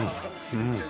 うん！